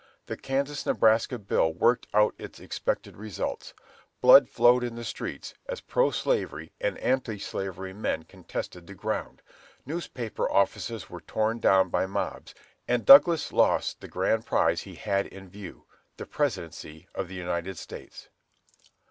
The Kansas Nebraska Bill worked out its expected results. Blood flowed in the streets, as pro slavery and anti slavery men contested the ground, newspaper offices were torn down by mobs, and Douglas lost the great prize he had in view, the Presidency of the United States.